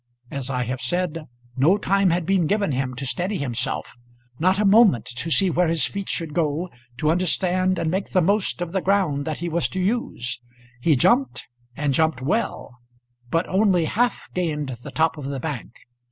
As I have said, no time had been given him to steady himself, not a moment to see where his feet should go, to understand and make the most of the ground that he was to use. He jumped and jumped well, but only half gained the top of the bank.